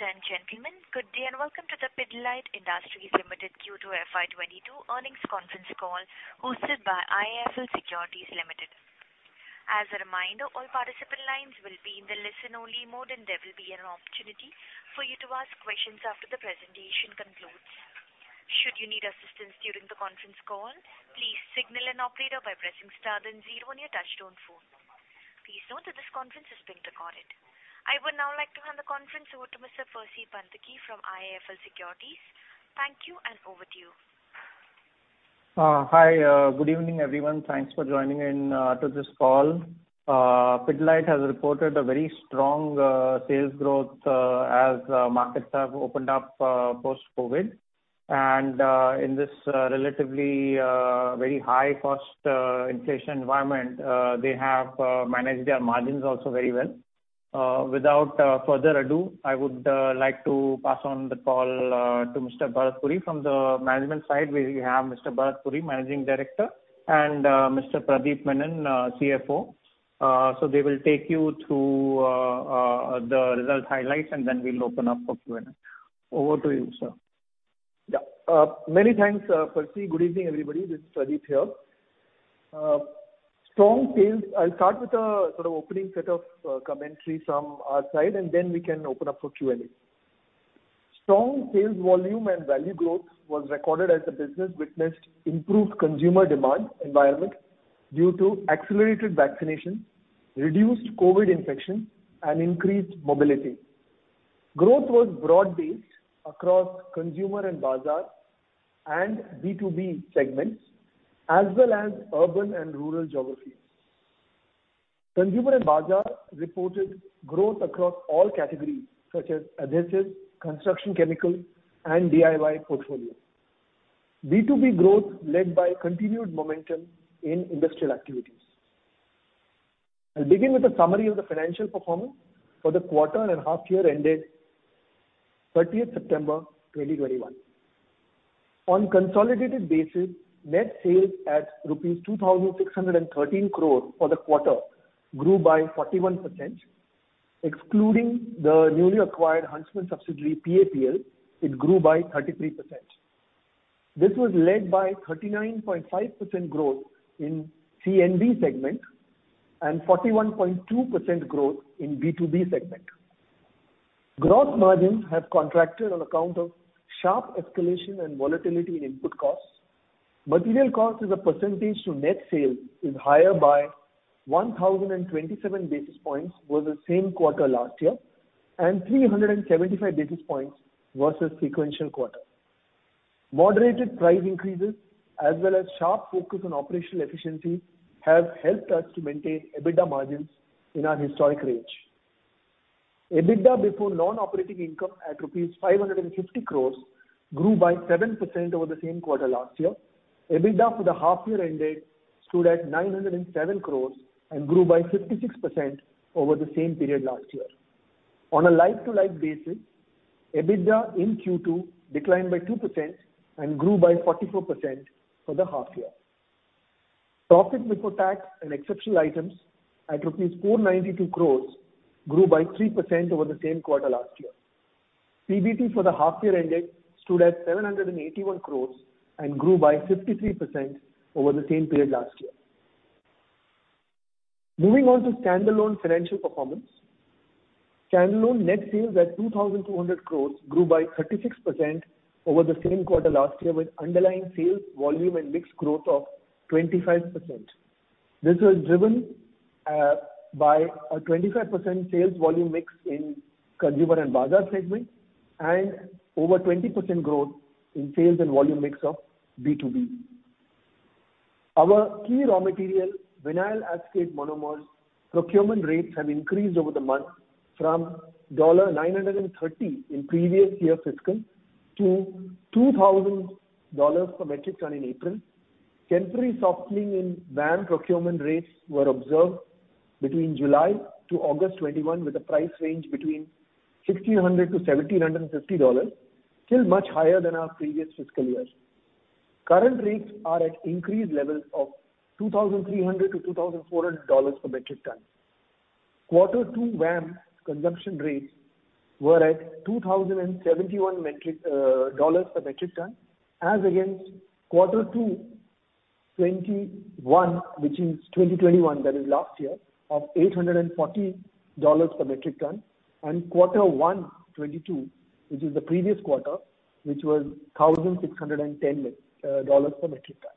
Ladies and gentlemen, good day and welcome to the Pidilite Industries Limited Q2 FY 2022 earnings conference call hosted by IIFL Securities Limited. As a reminder, all participant lines will be in the listen-only mode, and there will be an opportunity for you to ask questions after the presentation concludes. Should you need assistance during the conference call, please signal an operator by pressing star then zero on your touchtone phone. Please note that this conference is being recorded. I would now like to hand the conference over to Mr. Percy Panthaki from IIFL Securities. Thank you, and over to you. Hi. Good evening, everyone. Thanks for joining in to this call. Pidilite has reported a very strong sales growth as markets have opened up post-COVID. In this relatively very high-cost inflation environment, they have managed their margins also very well. Without further ado, I would like to pass on the call to Mr. Bharat Puri. From the management side, we have Mr. Bharat Puri, Managing Director, and Mr. Pradip Menon, CFO. So they will take you through the result highlights, and then we'll open up for Q&A. Over to you, sir. Yeah. Many thanks, Percy. Good evening, everybody. This is Pradip here. Strong sales. I'll start with a sort of opening set of commentary from our side, and then we can open up for Q&A. Strong sales volume and value growth was recorded as the business witnessed improved consumer demand environment due to accelerated vaccination, reduced COVID infection, and increased mobility. Growth was broad-based across consumer and bazaar and B2B segments as well as urban and rural geographies. Consumer and bazaar reported growth across all categories such as adhesives, construction chemical, and DIY portfolio. B2B growth led by continued momentum in industrial activities. I'll begin with a summary of the financial performance for the quarter and half year ended September 30th, 2021. On consolidated basis, net sales at rupees 2,613 crore for the quarter grew by 41%. Excluding the newly acquired Huntsman subsidiary, PAPL, it grew by 33%. This was led by 39.5% growth in C&B segment and 41.2% growth in B2B segment. Gross margins have contracted on account of sharp escalation and volatility in input costs. Material cost as a percentage to net sales is higher by 1,027 basis points over the same quarter last year and 375 basis points versus sequential quarter. Moderated price increases as well as sharp focus on operational efficiency have helped us to maintain EBITDA margins in our historic range. EBITDA before non-operating income at rupees 550 crores grew by 7% over the same quarter last year. EBITDA for the half year ended stood at 907 crores and grew by 56% over the same period last year. On a like-to-like basis, EBITDA in Q2 declined by 2% and grew by 44% for the half year. Profit before tax and exceptional items at 492 crores grew by 3% over the same quarter last year. PBT for the half year ended stood at 781 crores and grew by 53% over the same period last year. Moving on to standalone financial performance. Standalone net sales at 2,200 crores grew by 36% over the same quarter last year with underlying sales volume and mixed growth of 25%. This was driven by a 25% sales volume mix in consumer and bazaar segment and over 20% growth in sales and volume mix of B2B. Our key raw material, vinyl acetate monomer's procurement rates have increased over the month from $930 in previous year fiscal to $2,000 per metric ton in April. Temporary softening in VAM procurement rates were observed between July to August 2021 with a price range between $1,600 to $1,750, still much higher than our previous fiscal years. Current rates are at increased levels of $2,300 to $2,400 per metric ton. Q2 VAM consumption rates were at $2,071 per metric ton as against Q2 2021, which is 2021, that is last year, of $840 per metric ton. Q1 2022, which is the previous quarter, which was $1,610 per metric ton.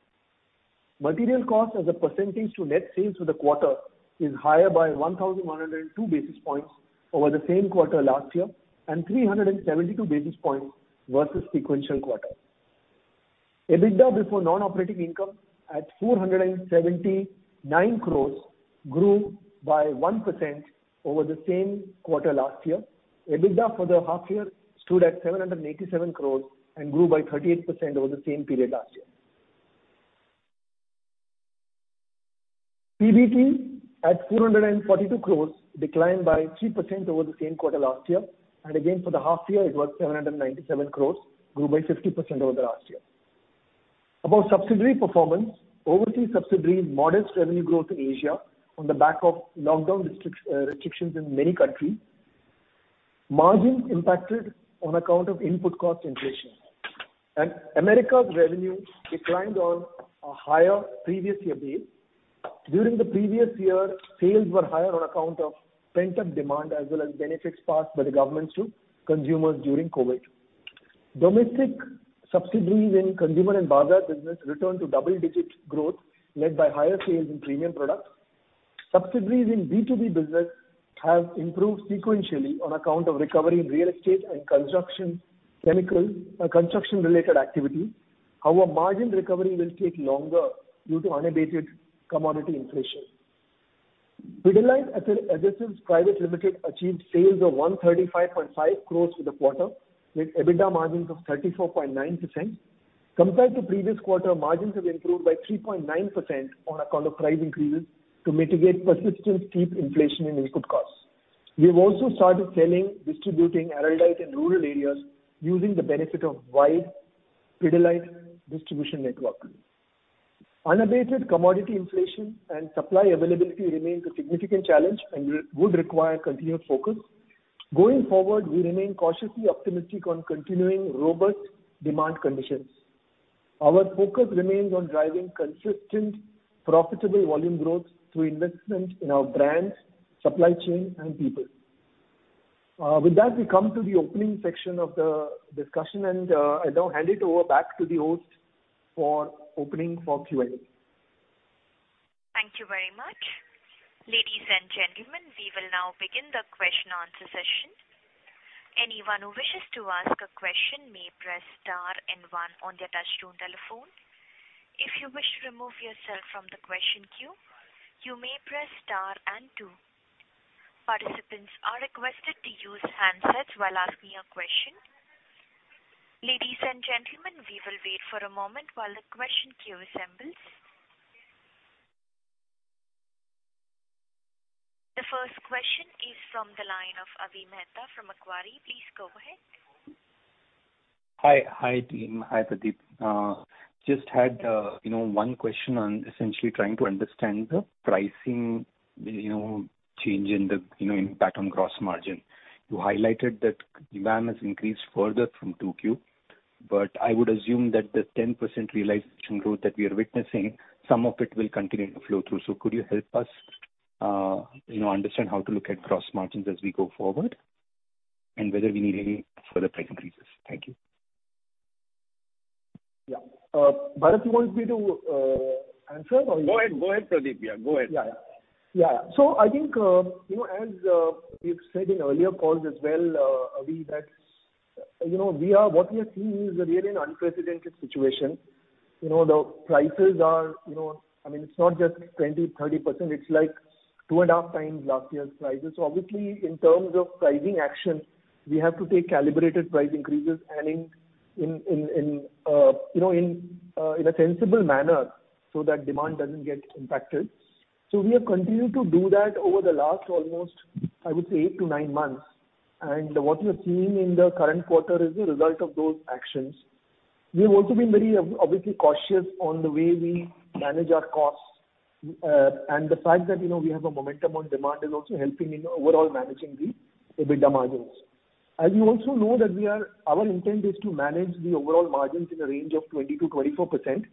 Material cost as a percentage to net sales for the quarter is higher by 1,102 basis points over the same quarter last year and 372 basis points versus sequential quarter. EBITDA before non-operating income at 479 crore grew by 1% over the same quarter last year. EBITDA for the half year stood at 787 crore and grew by 38% over the same period last year. PBT at 442 crore declined by 3% over the same quarter last year, and again, for the half year it was 797 crore, grew by 50% over the last year. About subsidiary performance. Overseas subsidiaries, modest revenue growth in Asia on the back of lockdown restrictions in many countries. Margins impacted on account of input cost inflation. Americas revenue declined on a higher previous year base. During the previous year, sales were higher on account of pent-up demand as well as benefits passed by the governments to consumers during COVID. Domestic subsidiaries in consumer and bazaar business returned to double-digit growth, led by higher sales in premium products. Subsidiaries in B2B business have improved sequentially on account of recovery in real estate and construction, chemical and construction-related activity. However, margin recovery will take longer due to unabated commodity inflation. Pidilite Adhesives Private Limited achieved sales of 135.5 crore for the quarter, with EBITDA margins of 34.9%. Compared to previous quarter, margins have improved by 3.9% on account of price increases to mitigate persistent steep inflation in input costs. We have also started selling, distributing Araldite in rural areas using the benefit of wide Pidilite distribution network. Unabated commodity inflation and supply availability remains a significant challenge and would require continued focus. Going forward, we remain cautiously optimistic on continuing robust demand conditions. Our focus remains on driving consistent profitable volume growth through investment in our brands, supply chain and people. With that, we come to the opening section of the discussion, and I now hand it over back to the host for opening for Q&A. Thank you very much. Ladies and gentlemen, we will now begin the Q&A session. Anyone who wishes to ask a question may press star and one on their touchtone telephone. If you wish to remove yourself from the question queue, you may press star and two. Participants are requested to use handsets while asking a question. Ladies and gentlemen, we will wait for a moment while the question queue assembles. The first question is from the line of Avi Mehta from Macquarie Capital Securities. Please go ahead. Hi. Hi team. Hi, Pradip. Just had, you know, one question on essentially trying to understand the pricing, you know, change in the, you know, impact on gross margin. You highlighted that demand has increased further from Q2. I would assume that the 10% realization growth that we are witnessing, some of it will continue to flow through. Could you help us, you know, understand how to look at gross margins as we go forward and whether we need any further price increases? Thank you. Yeah. Bharat, you want me to answer or you? Go ahead, Pradip. Yeah, go ahead. I think, you know, as we've said in earlier calls as well, Avi, that, you know, we are, what we are seeing is really an unprecedented situation. You know, the prices are, you know, I mean, it's not just 20% to 30%. It's like two and a half times last year's prices. Obviously, in terms of pricing action, we have to take calibrated price increases in a sensible manner so that demand doesn't get impacted. We have continued to do that over the last almost, I would say, eight to nine months. What we are seeing in the current quarter is a result of those actions. We have also been very obviously cautious on the way we manage our costs. The fact that, you know, we have a momentum on demand is also helping in overall managing the EBITDA margins. As you also know, our intent is to manage the overall margins in the range of 20% to 24%,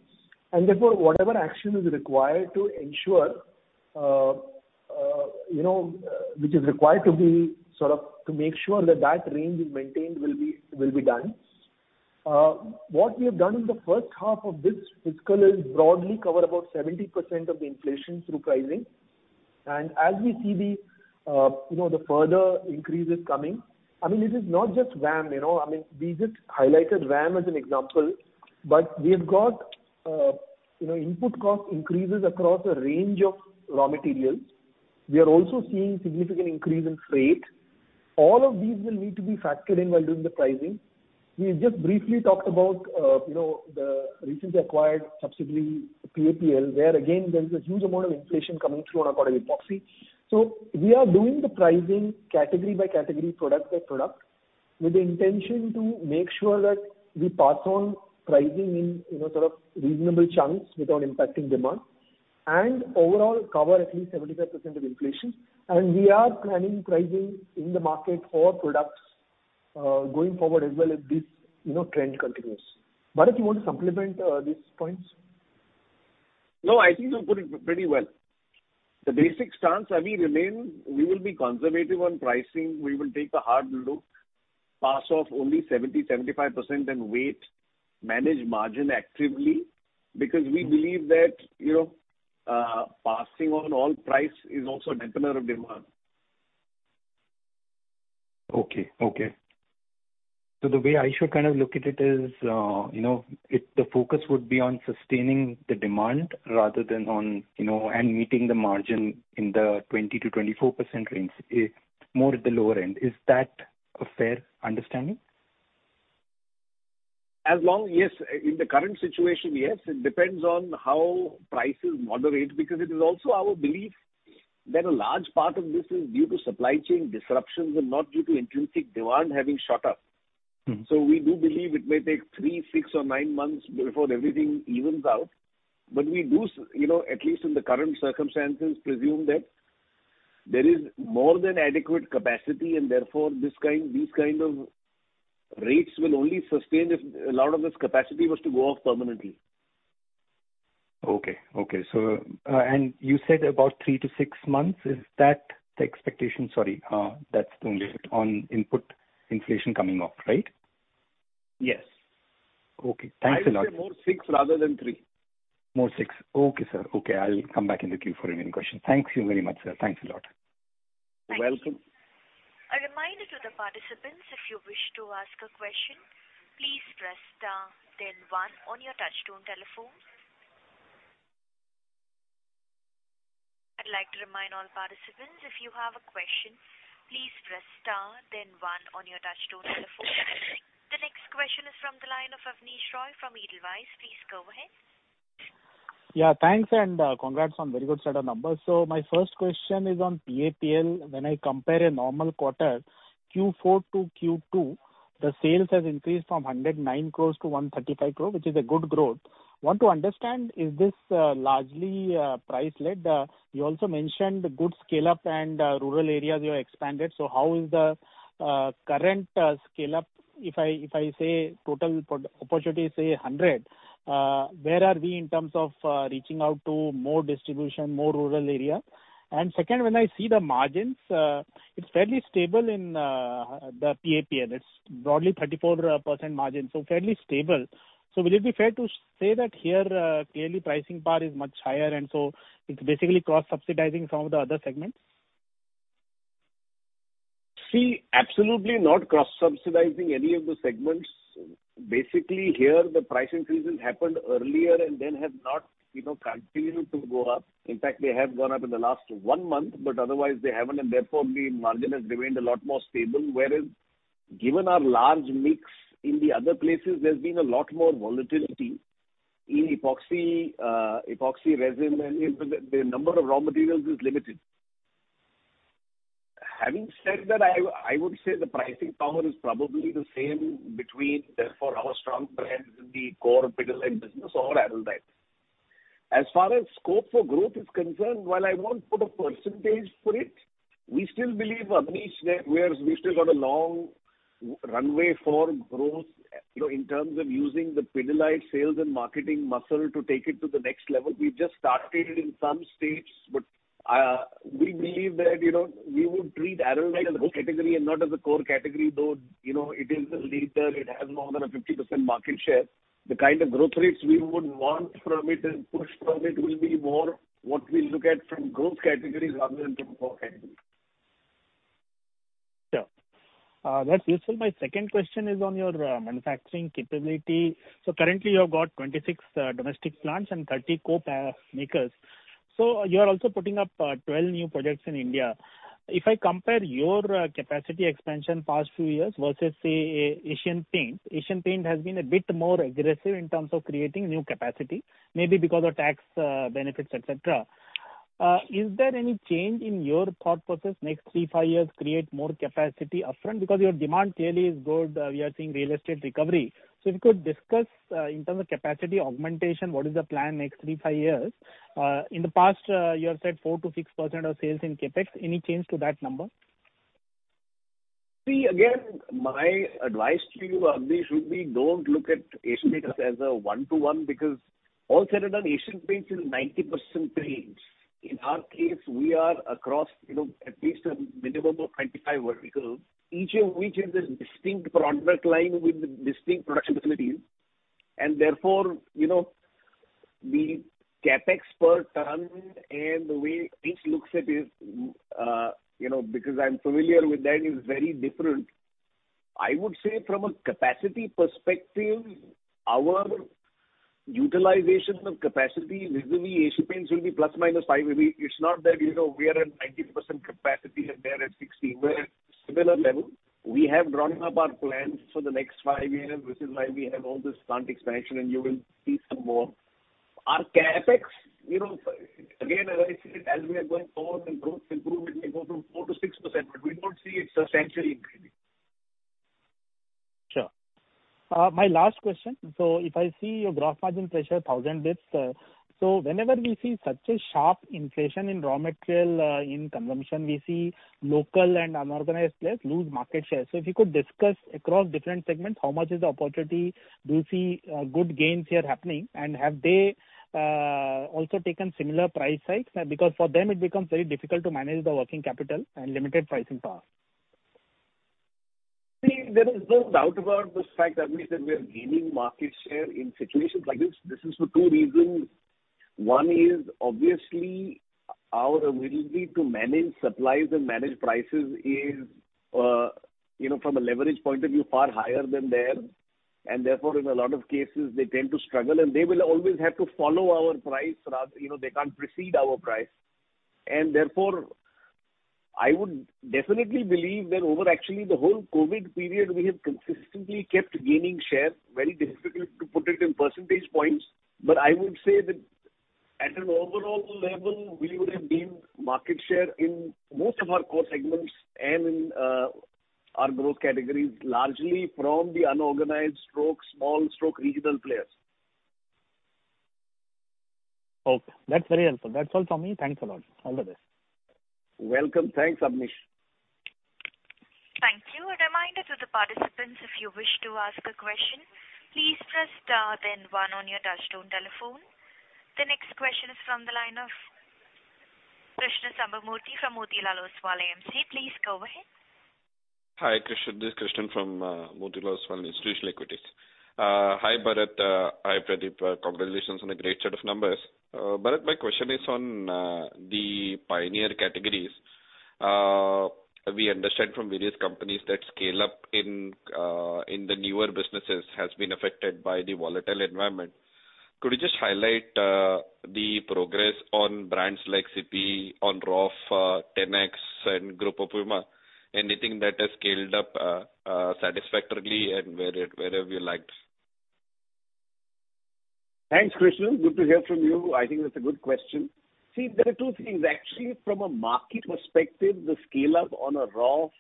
and therefore whatever action is required to ensure that that range is maintained will be done. What we have done in the first half of this fiscal is broadly cover about 70% of the inflation through pricing. As we see the further increases coming, I mean, this is not just VAM, you know. I mean, we just highlighted VAM as an example. But we have got input cost increases across a range of raw materials. We are also seeing significant increase in freight. All of these will need to be factored in while doing the pricing. We just briefly talked about the recently acquired subsidiary, PAPL, where again, there's a huge amount of inflation coming through on account of epoxy. So we are doing the pricing category by category, product by product, with the intention to make sure that we pass on pricing in sort of reasonable chunks without impacting demand, overall cover at least 75% of inflation. We are planning pricing in the market for products going forward as well, if this trend continues. Bharat, you want to supplement these points? No, I think you put it pretty well. The basic stance, Avi, remains we will be conservative on pricing. We will take a hard look, pass on only 75% and wait, manage margin actively, because we believe that, you know, passing on all price is also a detriment of demand. The way I should kind of look at it is, you know, if the focus would be on sustaining the demand rather than on, you know, and meeting the margin in the 20% to 24% range, more at the lower end. Is that a fair understanding? As long as, yes. In the current situation, yes. It depends on how prices moderate, because it is also our belief that a large part of this is due to supply chain disruptions and not due to intrinsic demand having shot up. Mm-hmm. We do believe it may take three, six or nine months before everything evens out. We do you know, at least in the current circumstances, presume that there is more than adequate capacity and therefore these kind of rates will only sustain if a lot of this capacity was to go off permanently. Okay. You said about three to six months, is that the expectation? Sorry, that's only on input inflation coming off, right? Yes. Okay, thanks a lot. I would say more six rather than three. Okay, sir. Okay, I'll come back in the queue for the remaining question. Thank you very much, sir. Thanks a lot. You're welcome. Thank you. A reminder to the participants, if you wish to ask a question, please press star then one on your touchtone telephone. I'd like to remind all participants if you have a question, please press star then one on your touchtone telephone. The next question is from the line of Abneesh Roy from Edelweiss Financial Services. Please go ahead. Yeah, thanks and congrats on very good set of numbers. My first question is on PAPL. When I compare a normal quarter, Q4 to Q2, the sales has increased from 109 crore to 135 crore, which is a good growth. Want to understand is this largely price-led? You also mentioned good scale up and rural areas you expanded. How is the current scale up? If I say total opportunity say 100, where are we in terms of reaching out to more distribution, more rural area? Second, when I see the margins, it's fairly stable in the PAPL. It's broadly 34% margin, so fairly stable. Will it be fair to say that here, clearly pricing power is much higher and so it's basically cross-subsidizing some of the other segments? See, absolutely not cross-subsidizing any of the segments. Basically, here the price increase happened earlier and then have not, you know, continued to go up. In fact, they have gone up in the last one month, but otherwise they haven't and therefore the margin has remained a lot more stable. Whereas, given our large mix in the other places, there's been a lot more volatility. In epoxy resin and the number of raw materials is limited. Having said that, I would say the pricing power is probably the same between therefore our strong brands in the core Pidilite business or Araldite. As far as scope for growth is concerned, while I won't put a percentage for it, we still believe, Abneesh, that we still got a long runway for growth, you know, in terms of using the Pidilite sales and marketing muscle to take it to the next level. We've just started in some states, but we believe that, you know, we would treat Araldite as a category and not as a core category, though, you know, it is a leader. It has more than a 50% market share. The kind of growth rates we would want from it and push from it will be more what we look at from growth categories rather than from core categories. Sure. That's useful. My second question is on your manufacturing capability. Currently you have 26 domestic plants and 30 co-packers. You are also putting up 12 new projects in India. If I compare your capacity expansion in the past few years versus, say, Asian Paints, Asian Paints has been a bit more aggressive in terms of creating new capacity, maybe because of tax benefits, etc. Is there any change in your thought process in the next three to five years to create more capacity upfront? Because your demand clearly is good. We are seeing real estate recovery. If you could discuss in terms of capacity augmentation, what is the plan in the next three to five years? In the past, you have said 4% to 6% of sales in CapEx. Any change to that number? See, again, my advice to you, Abneesh, would be don't look at Asian Paints as a one-to-one because all said and done, Asian Paints is 90% paints. In our case, we are across, you know, at least a minimum of 25 verticals, each of which has a distinct product line with distinct production facilities. Therefore, you know, the CapEx per ton and the way each looks at it, you know, because I'm familiar with that, is very different. I would say from a capacity perspective, our utilization of capacity vis-à-vis Asian Paints will be ±5. It's not that, you know, we are at 90% capacity and they're at 60%. We're at similar level. We have drawn up our plans for the next five years, which is why we have all this plant expansion and you will see some more. Our CapEx, you know, again, as I said, as we are going forward and growth improve, it may go to 4% to 6%, but we don't see it substantially increasing. Sure. My last question. If I see your gross margin pressure 1000 basis points, whenever we see such a sharp inflation in raw material consumption, we see local and unorganized players lose market share. If you could discuss across different segments, how much is the opportunity? Do you see good gains here happening? Have they also taken similar price hikes? Because for them it becomes very difficult to manage the working capital and limited pricing power. See, there is no doubt about this fact, Abneesh, that we are gaining market share in situations like this. This is for two reasons. One is obviously our ability to manage supplies and manage prices is from a leverage point of view far higher than them, and therefore in a lot of cases they tend to struggle and they will always have to follow our price rather they can't precede our price. Therefore, I would definitely believe that over actually the whole COVID period, we have consistently kept gaining share. Very difficult to put it in percentage points, but I would say that at an overall level, we would have gained market share in most of our core segments and in our growth categories, largely from the unorganized/small/regional players. Okay, that's very helpful. That's all for me. Thanks a lot. All the best. Welcome. Thanks, Abneesh. Thank you. A reminder to the participants, if you wish to ask a question, please press star then one on your touchtone telephone. The next question is from the line of Krishnan Sambamoorthy from Motilal Oswal AMC. Please go ahead. Hi, Krishnan. This is Krishnan from Motilal Oswal Institutional Equities. Hi, Bharat. Hi, Pradip. Congratulations on a great set of numbers. Bharat, my question is on the pioneer categories. We understand from various companies that scale-up in the newer businesses has been affected by the volatile environment. Could you just highlight the progress on brands like CIPY, on Roff, Tenax and Grupo Puma? Anything that has scaled up satisfactorily and where have you lagged? Thanks, Krishnan. Good to hear from you. I think that's a good question. See, there are two things. Actually, from a market perspective, the scale-up on Roff,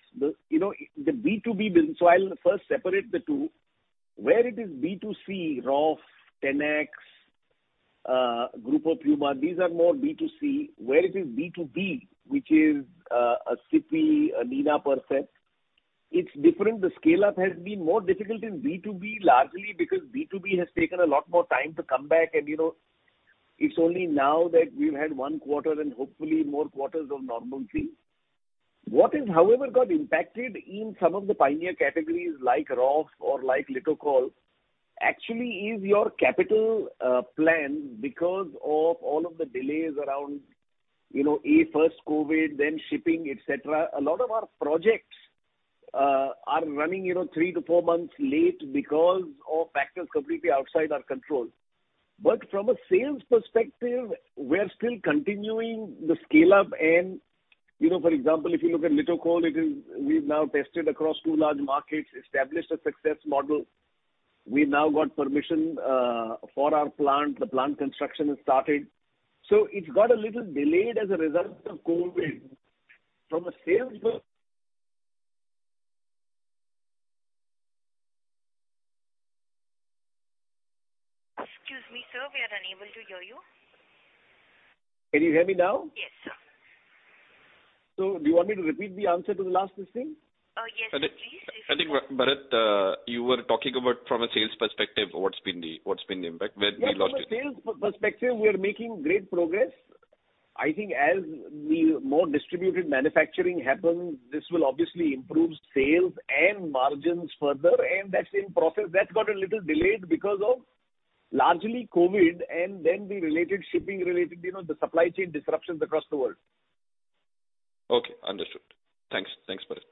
you know, the B2B business. I'll first separate the two. Where it is B2C, Roff, Tenax, Grupo Puma, these are more B2C. Where it is B2B, which is a CIPY, a Nina Percept, it's different. The scale-up has been more difficult in B2B, largely because B2B has taken a lot more time to come back and, you know, it's only now that we've had one quarter and hopefully more quarters of normalcy. What is, however, got impacted in some of the pioneer categories like Roff or like Litokol, actually is your capital plan because of all of the delays around, you know, first COVID, then shipping, et cetera. A lot of our projects are running, you know, three to four months late because of factors completely outside our control. From a sales perspective, we're still continuing the scale-up and, you know, for example, if you look at Litokol, we've now tested across two large markets, established a success model. We've now got permission for our plant. The plant construction has started. It got a little delayed as a result of COVID. From a sales per Excuse me, sir, we are unable to hear you. Can you hear me now? Yes, sir. Do you want me to repeat the answer to the last question? Yes, please. If you can. I think, Bharat, you were talking about from a sales perspective, what's been the impact where we lost it. Yes. From a sales perspective, we are making great progress. I think as the more distributed manufacturing happens, this will obviously improve sales and margins further, and that's in process. That got a little delayed because of largely COVID and then the related shipping-related, you know, the supply chain disruptions across the world. Okay. Understood. Thanks. Thanks, Bharat.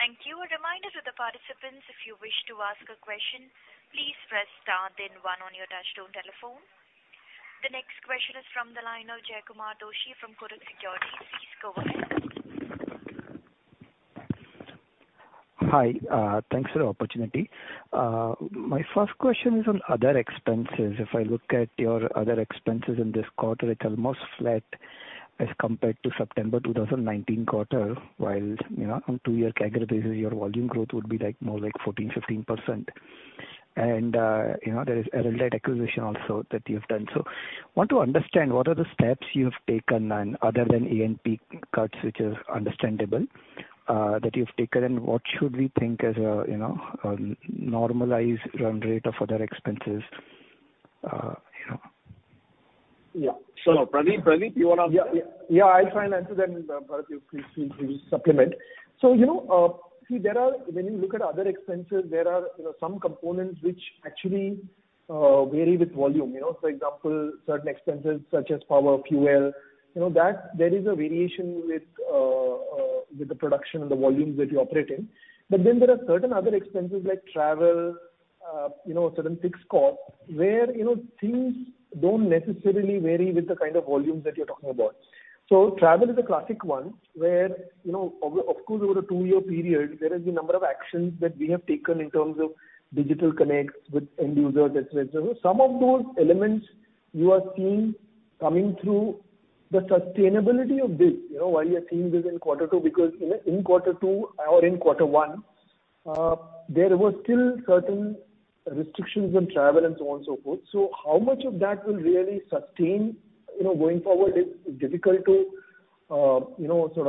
Thank you. A reminder to the participants, if you wish to ask a question, please press star then one on your touchtone telephone. The next question is from the line of Jaykumar Doshi from Kotak Securities. Please go ahead. Hi. Thanks for the opportunity. My first question is on other expenses. If I look at your other expenses in this quarter, it's almost flat as compared to September 2019 quarter, while, you know, on two-year categories, your volume growth would be like more like 14% to 15%. You know, there is a related acquisition also that you've done. Want to understand what are the steps you've taken and other than A&P cuts, which is understandable, that you've taken, what should we think as a, you know, a normalized run rate of other expenses, you know? Yeah. Pradip, do you wanna- Yeah. Yeah, I'll try and answer them, and Bharat, you please supplement. You know, see there are. When you look at other expenses, there are, you know, some components which actually vary with volume. You know, for example, certain expenses such as power, fuel, you know, that there is a variation with the production and the volumes that you operate in. But then there are certain other expenses like travel, you know, certain fixed costs where, you know, things don't necessarily vary with the kind of volumes that you're talking about. Travel is a classic one where, you know, of course, over a two-year period, there has been a number of actions that we have taken in terms of digital connects with end users, et cetera. Some of those elements you are seeing coming through the sustainability of this, you know, why you are seeing this in Q2, because in Q2 or in Q1, there were still certain restrictions on travel and so on and so forth. How much of that will really sustain, you know, going forward is difficult to, you know, sort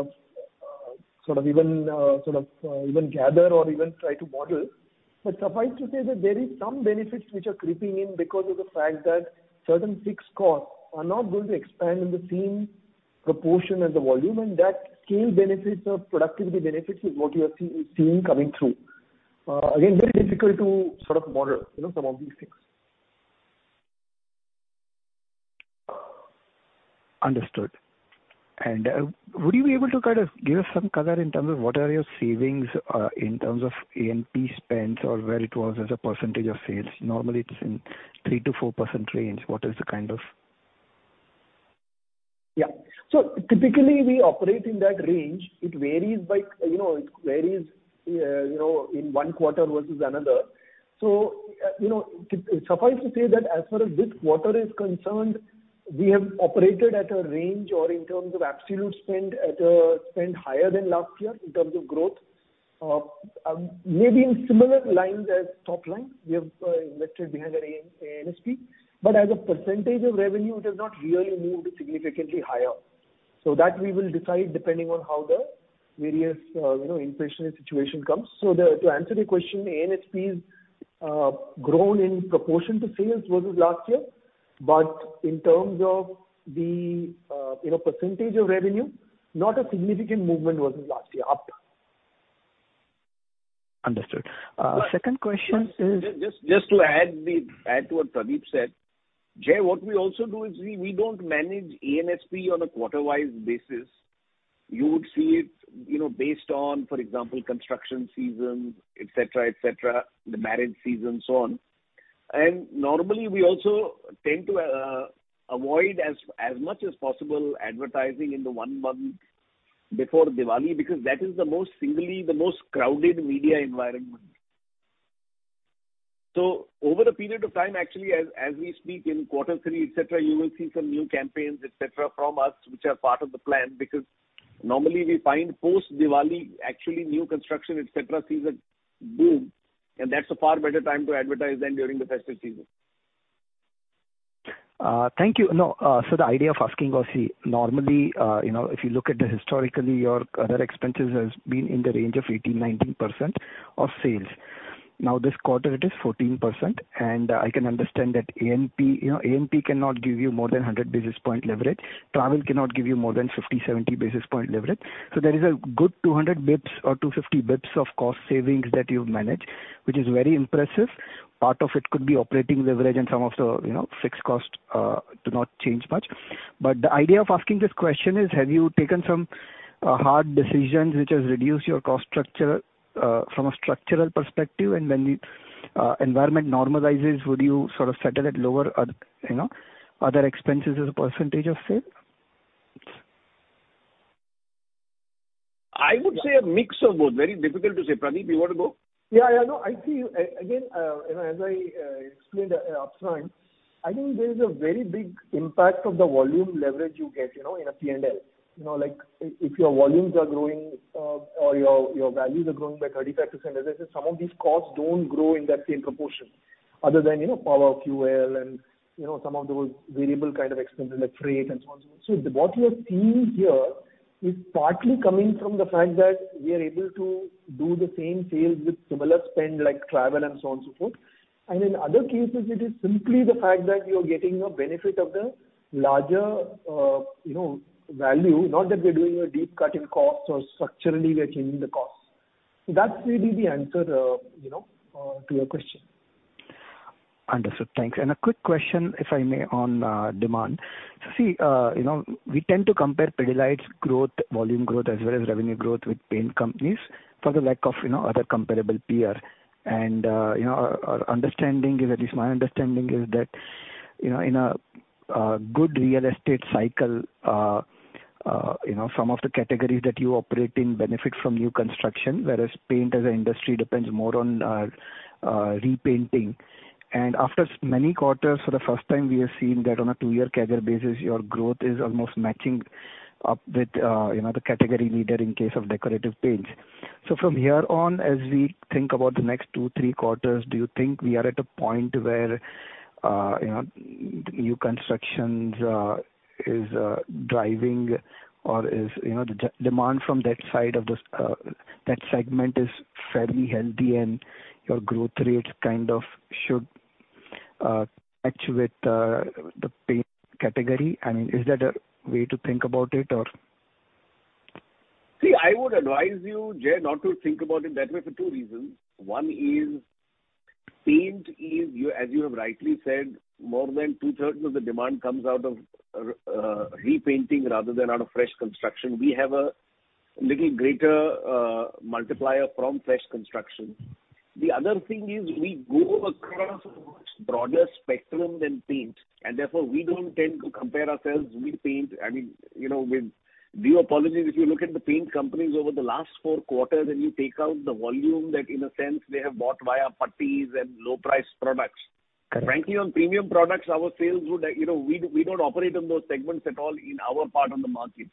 of even gather or even try to model. Suffice to say that there is some benefits which are creeping in because of the fact that certain fixed costs are not going to expand in the same proportion as the volume, and that scale benefits or productivity benefits is what you are seeing coming through. Again, very difficult to sort of model, you know, some of these things. Understood. Would you be able to kind of give us some color in terms of what are your savings in terms of A&SP spends or where it was as a percentage of sales? Normally, it is in 3% to 4% range. What is the kind of Yeah. Typically we operate in that range. It varies by, you know, in one quarter versus another. Suffice to say that as far as this quarter is concerned, we have operated at a range or in terms of absolute spend at a spend higher than last year in terms of growth. Maybe in similar lines as top line, we have elected behind our A&SP. As a percentage of revenue, it has not really moved significantly higher. That we will decide depending on how the various inflationary situation comes. To answer your question, A&SPs grown in proportion to sales versus last year. In terms of the percentage of revenue, not a significant movement versus last year up. Understood. Second question is. Just to add to what Pradip said. Jay, what we also do is we don't manage A&SP on a quarter-wise basis. You would see it, you know, based on, for example, construction seasons, et cetera, the marriage season, so on. Normally, we also tend to avoid as much as possible advertising in the one month before Diwali, because that is simply the most crowded media environment. Over a period of time, actually as we speak in Q3, et cetera, you will see some new campaigns, et cetera, from us, which are part of the plan. Because normally we find post-Diwali actually new construction, et cetera, sees a boom, and that's a far better time to advertise than during the festive season. Thank you. No, the idea of asking was, see, normally, you know, if you look at the historically your other expenses has been in the range of 18, 19% of sales. Now, this quarter it is 14%, and I can understand that A&SP, you know, A&SP cannot give you more than 100 basis points leverage. Travel cannot give you more than 50, 70 basis points leverage. There is a good 200 basis points or 250 basis points of cost savings that you've managed, which is very impressive. Part of it could be operating leverage and some of the, you know, fixed cost do not change much. The idea of asking this question is, have you taken some hard decisions which has reduced your cost structure from a structural perspective? When the environment normalizes, would you sort of settle at lower other, you know, other expenses as a percentage of sales? I would say a mix of both. Very difficult to say. Pradip, you wanna go? Yeah. No, I see. Again, you know, as I explained upfront, I think there is a very big impact of the volume leverage you get, you know, in a P&L. You know, like if your volumes are growing, or your values are growing by 35%, as I said, some of these costs don't grow in that same proportion. Other than, you know, power, fuel and, you know, some of those variable kind of expenses like freight and so on and so forth. What you are seeing here is partly coming from the fact that we are able to do the same sales with similar spend like travel and so on, so forth. In other cases, it is simply the fact that you're getting a benefit of the larger, you know, value, not that we're doing a deep cut in costs or structurally we are changing the costs. That's maybe the answer, you know, to your question. Understood. Thanks. A quick question, if I may, on demand. See, you know, we tend to compare Pidilite's growth, volume growth as well as revenue growth with paint companies for the lack of, you know, other comparable peer. You know, our understanding is, at least my understanding is that, you know, in a good real estate cycle, you know, some of the categories that you operate in benefit from new construction, whereas paint as an industry depends more on repainting. After many quarters, for the first time, we have seen that on a two-year CAGR basis, your growth is almost matching up with, you know, the category leader in case of decorative paints. From here on, as we think about the next two, three quarters, do you think we are at a point where, you know, new constructions is driving or is, you know, the demand from that side of that segment is fairly healthy and your growth rates kind of should match with the paint category? I mean, is that a way to think about it or? See, I would advise you, Jay, not to think about it that way for two reasons. One is paint is, you, as you have rightly said, more than two-thirds of the demand comes out of repainting rather than out of fresh construction. We have a little greater multiplier from fresh construction. The other thing is we go across a much broader spectrum than paint, and therefore we don't tend to compare ourselves with paint. I mean, you know, with due apologies, if you look at the paint companies over the last four quarters and you take out the volume that in a sense they have bought via putties and low price products. Okay. Frankly, on premium products, our sales would, you know, we don't operate on those segments at all in our part on the market.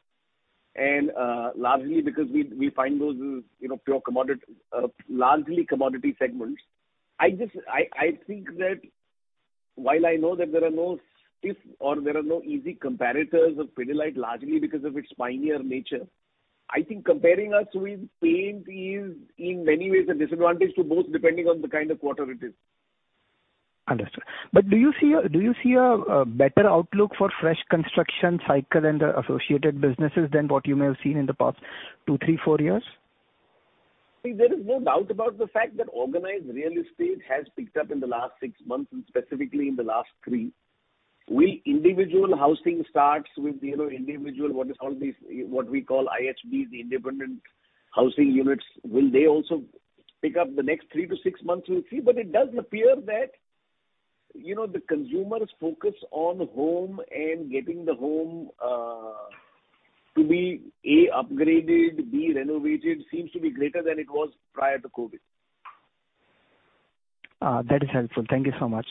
Largely because we find those as, you know, pure commodity, largely commodity segments. I think that while I know that there are no easy comparators of Pidilite, largely because of its pioneer nature, I think comparing us with paint is in many ways a disadvantage to both, depending on the kind of quarter it is. Understood. Do you see a better outlook for fresh construction cycle and the associated businesses than what you may have seen in the past two, three, four years? See, there is no doubt about the fact that organized real estate has picked up in the last six months and specifically in the last three. Will individual housing starts with, you know, individual, what is called these, what we call IHBs, the independent housing units, will they also pick up the next three to six months? We'll see. But it does appear that. You know, the consumer's focus on home and getting the home, to be, A, upgraded, B, renovated seems to be greater than it was prior to COVID. That is helpful. Thank you so much.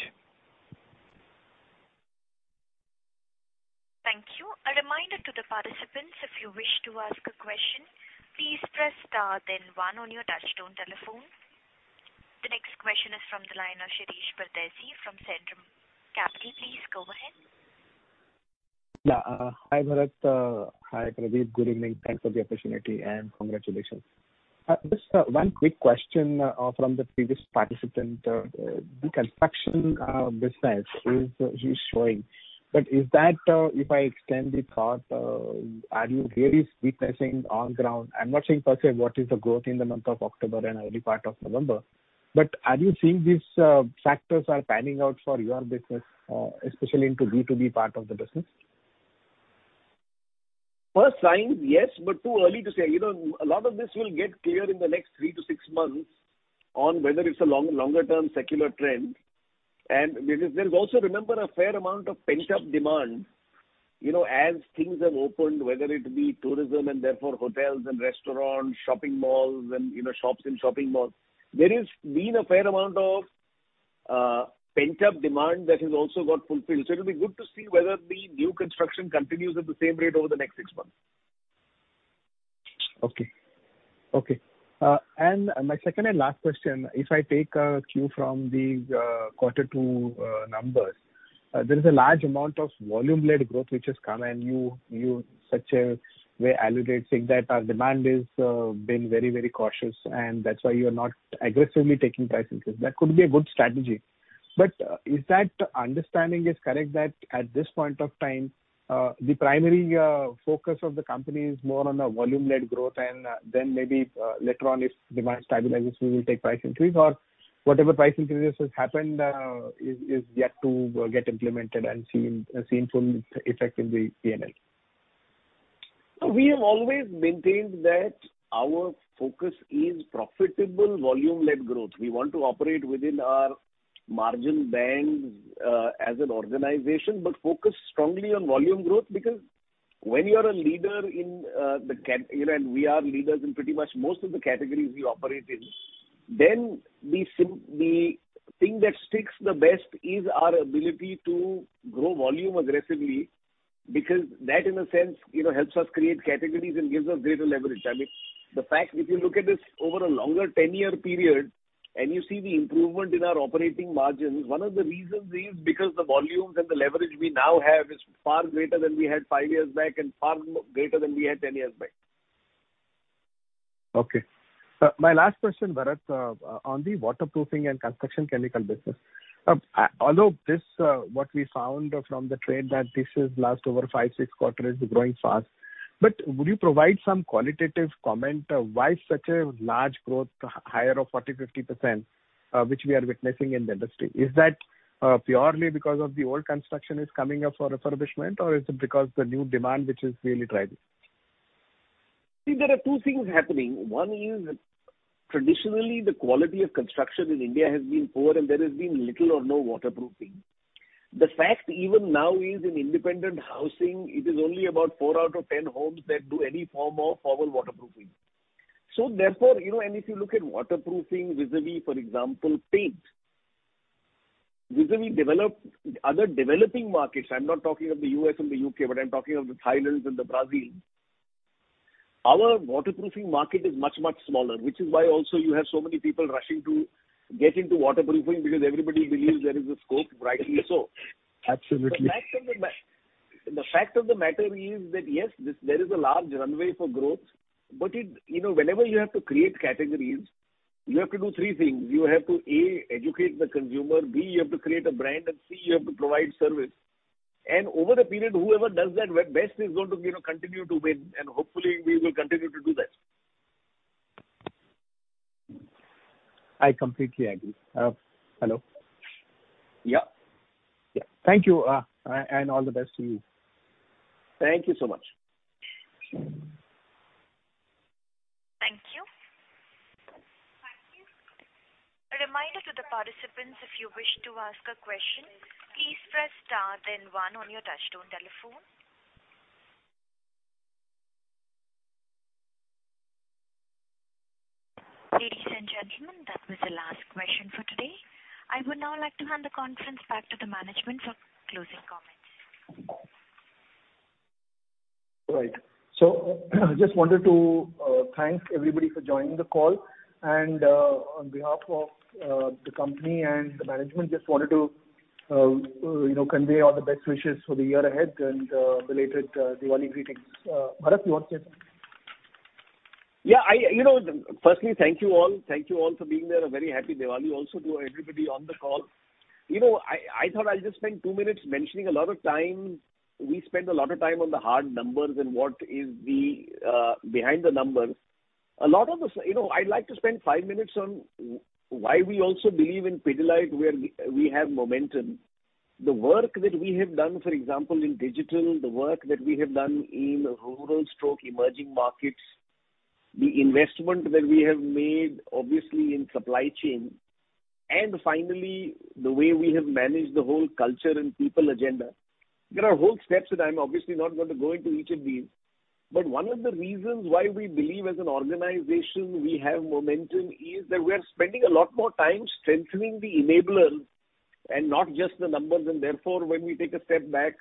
Thank you. A reminder to the participants, if you wish to ask a question, please press star then one on your touchtone telephone. The next question is from the line of Shirish Pardeshi from Centrum Capital. Please go ahead. Hi, Bharat. Hi, Pradip. Good evening. Thanks for the opportunity and congratulations. Just one quick question from the previous participant. The construction business is showing. If I extend the thought, are you really witnessing on ground? I'm not saying per se what is the growth in the month of October and early part of November, but are you seeing these factors are panning out for your business, especially into B2B part of the business? First signs, yes, but too early to say. You know, a lot of this will get clear in the next three to six months on whether it's a longer term secular trend. There is also, remember, a fair amount of pent-up demand. You know, as things have opened, whether it be tourism and therefore hotels and restaurants, shopping malls and, you know, shops and shopping malls, there has been a fair amount of pent-up demand that has also got fulfilled. It'll be good to see whether the new construction continues at the same rate over the next six months. My second and last question, if I take a cue from the Q2 numbers, there is a large amount of volume-led growth which has come, and you in such a way elaborated, saying that our demand has been very, very cautious, and that's why you are not aggressively taking price increase. That could be a good strategy. Is that understanding correct that at this point of time the primary focus of the company is more on a volume-led growth and then maybe later on if demand stabilizes, we will take price increase or whatever price increases happened is yet to get implemented and seen in effect in the P&L? We have always maintained that our focus is profitable volume-led growth. We want to operate within our margin bands, as an organization, but focus strongly on volume growth because when you are a leader in, you know, and we are leaders in pretty much most of the categories we operate in, then the thing that sticks the best is our ability to grow volume aggressively, because that, in a sense, you know, helps us create categories and gives us greater leverage. I mean, the fact, if you look at this over a longer 10-year period and you see the improvement in our operating margins, one of the reasons is because the volumes and the leverage we now have is far greater than we had five years back and far more greater than we had 10 years back. Okay. My last question, Bharat, on the waterproofing and construction chemical business. Although this, what we found from the trade that this is last over five, six quarters growing fast. Would you provide some qualitative comment, why such a large growth higher of 40% to 50%, which we are witnessing in the industry? Is that purely because of the old construction is coming up for refurbishment, or is it because the new demand which is really driving? See, there are two things happening. One is traditionally the quality of construction in India has been poor and there has been little or no waterproofing. The fact even now is in independent housing it is only about four out of 10 homes that do any form of formal waterproofing. Therefore, you know, and if you look at waterproofing vis-à-vis, for example, paint. Vis-à-vis developed other developing markets, I'm not talking of the U.S. and the U.K., but I'm talking of the Thailands and the Brazils. Our waterproofing market is much, much smaller, which is why also you have so many people rushing to get into waterproofing because everybody believes there is a scope, rightly so. Absolutely. The fact of the matter is that, yes, this, there is a large runway for growth. But it, you know, whenever you have to create categories, you have to do three things. You have to, A, educate the consumer, B, you have to create a brand, and C, you have to provide service. Over the period, whoever does that best is going to, you know, continue to win and hopefully we will continue to do that. I completely agree. Hello? Yeah. Yeah. Thank you. All the best to you. Thank you so much. Thank you. A reminder to the participants, if you wish to ask a question, please press star then one on your touchtone telephone. Ladies and gentlemen, that was the last question for today. I would now like to hand the conference back to the management for closing comments. Right. Just wanted to thank everybody for joining the call. On behalf of the company and the management, just wanted to you know convey all the best wishes for the year ahead and belated Diwali greetings. Bharat, you want to say something? Yeah, you know, firstly, thank you all. Thank you all for being there. A very happy Diwali also to everybody on the call. You know, I thought I'll just spend two minutes. We spend a lot of time on the hard numbers and what is behind the numbers. You know, I'd like to spend five minutes on why we also believe in Pidilite, where we have momentum. The work that we have done, for example, in digital, the work that we have done in rural/emerging markets. The investment that we have made obviously in supply chain, and finally, the way we have managed the whole culture and people agenda. There are whole steps that I'm obviously not going to go into each of these, but one of the reasons why we believe as an organization we have momentum is that we are spending a lot more time strengthening the enablers and not just the numbers. Therefore, when we take a step back,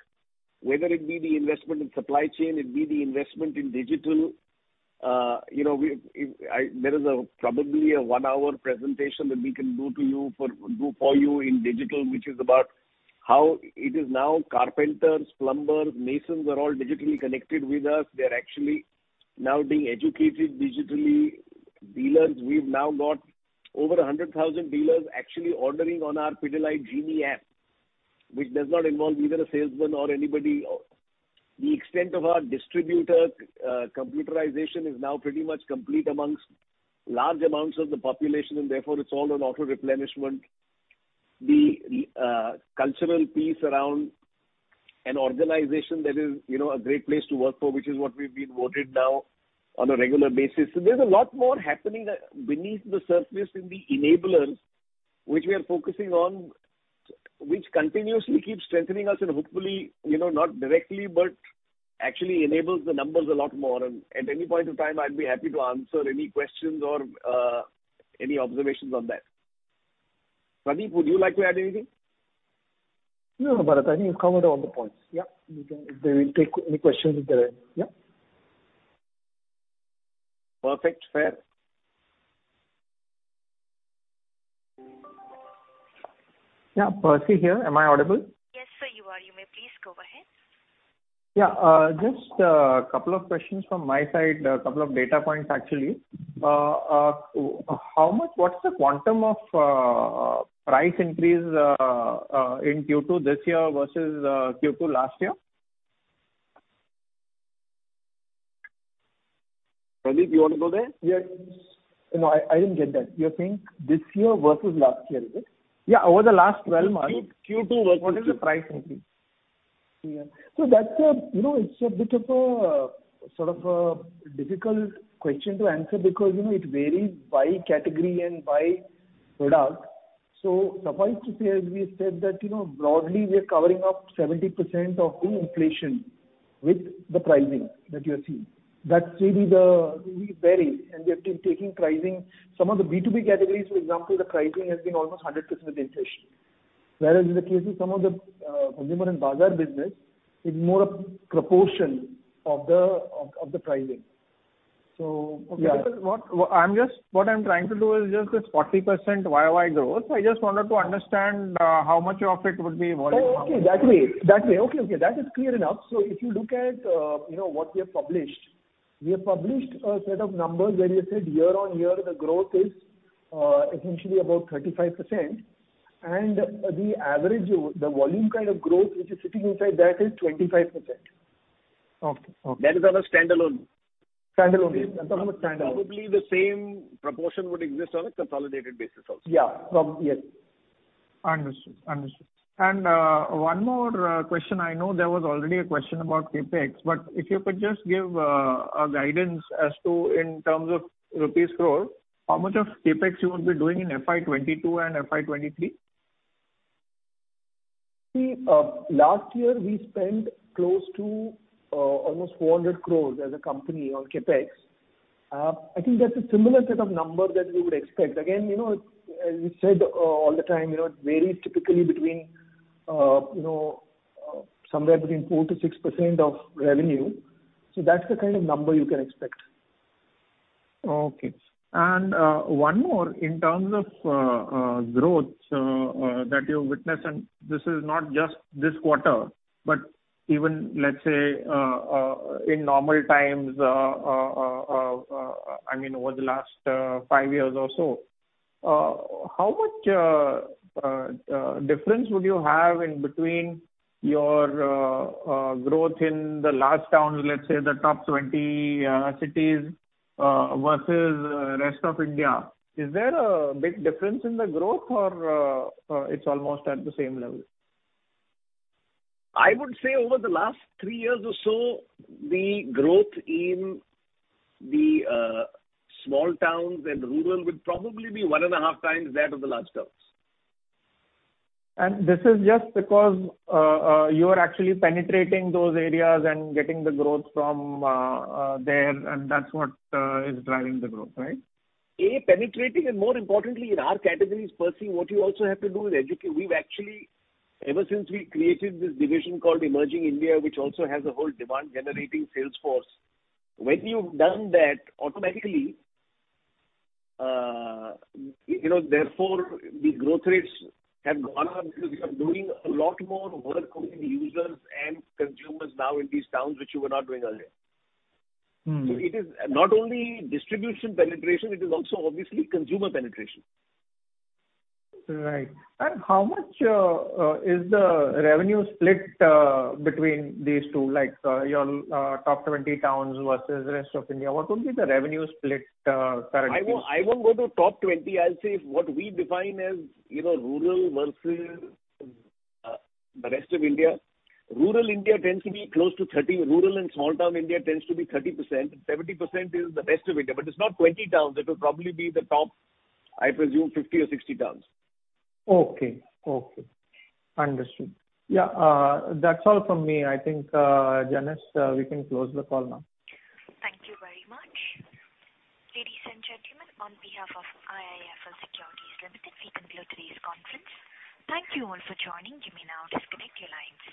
whether it be the investment in supply chain, it be the investment in digital, you know, there is probably a one-hour presentation that we can do for you in digital, which is about how it is now carpenters, plumbers, masons are all digitally connected with us. They're actually now being educated digitally. Dealers, we've now got over 100,000 dealers actually ordering on our Pidilite Genie app, which does not involve either a salesman or anybody. The extent of our distributor computerization is now pretty much complete amongst large amounts of the population, and therefore it's all on auto replenishment. The cultural piece around an organization that is, you know, a great place to work for, which is what we've been voted now on a regular basis. There's a lot more happening beneath the surface in the enablers, which we are focusing on, which continuously keeps strengthening us and hopefully, you know, not directly, but actually enables the numbers a lot more. At any point in time, I'd be happy to answer any questions or any observations on that. Pradip, would you like to add anything? No, Bharat, I think you've covered all the points. Yeah. We can take any questions if there are. Yeah. Perfect. Fair. Yeah. Percy here, am I audible? Yes, sir, you are. You may please go ahead. Yeah. Just a couple of questions from my side, a couple of data points, actually. What's the quantum of price increase in Q2 this year versus Q2 last year? Pradip, do you wanna go there? Yes. No, I didn't get that. You're saying this year versus last year, is it? Yeah, over the last 12 months. Q2 versus What is the price increase? That's a, you know, it's a bit of a sort of a difficult question to answer because, you know, it varies by category and by product. Suffice to say, as we said, that, you know, broadly, we are covering up 70% of the inflation with the pricing that you're seeing. That really varies. We have been taking pricing. Some of the B2B categories, for example, the pricing has been almost 100% inflation. Whereas in the case of some of the consumer and bazaar business is more a proportion of the pricing. Yeah. Okay. Because what I'm trying to do is just this 40% YoY growth. I just wanted to understand how much of it would be volume- Okay. That way. Okay, that is clear enough. If you look at, you know, what we have published, we have published a set of numbers where we said year-on-year, the growth is essentially about 35%. The average, the volume kind of growth which is sitting inside that is 25%. Okay. Okay. That is on a standalone. Probably the same proportion would exist on a consolidated basis also. Yeah. Yes. Understood. One more question. I know there was already a question about CapEx, but if you could just give a guidance as to in terms of rupees crores, how much of CapEx you would be doing in FY 2022 and FY 2023? See, last year we spent close to almost 400 crore as a company on CapEx. I think that's a similar set of number that we would expect. Again, you know, as we said, all the time, you know, it varies typically between, you know, somewhere between 4% to 6% of revenue. That's the kind of number you can expect. Okay. One more in terms of growth that you've witnessed, and this is not just this quarter, but even let's say in normal times, I mean, over the last five years or so, how much difference would you have in between your growth in the large towns, let's say the top 20 cities, versus rest of India? Is there a big difference in the growth or it's almost at the same level? I would say over the last three years or so, the growth in the small towns and rural would probably be one and a half times that of the large towns. This is just because you are actually penetrating those areas and getting the growth from there, and that's what is driving the growth, right? penetrating, and more importantly, in our categories, Percy, what you also have to do is educate. We've actually, ever since we created this division called Emerging India, which also has a whole demand generating sales force. When you've done that automatically, therefore the growth rates have gone up because we are doing a lot more work with the users and consumers now in these towns, which we were not doing earlier. Mm. It is not only distribution penetration, it is also obviously consumer penetration. Right. How much is the revenue split between these two, like, your top 20 towns versus rest of India? What would be the revenue split currently? I won't go to top 20. I'll say what we define as, you know, rural versus the rest of India. Rural and small town India tends to be 30% and 70% is the rest of India. It's not 20 towns. It will probably be the top, I presume, 50 or 60 towns. Okay. Understood. Yeah. That's all from me. I think, Janice, we can close the call now. Thank you very much. Ladies and gentlemen, on behalf of IIFL Securities Limited, we conclude today's conference. Thank you all for joining. You may now disconnect your lines.